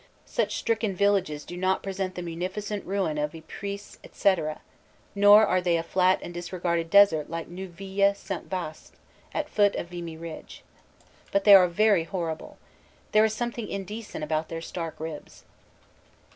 Such stricken villages do not present the magnificent ruin of Ypres > nor are they a flat and disregarded desert like Neuville St. Vaast, at foot of Vimy Ridge. But they are very horrible. There is something inde cent about their stark ribs.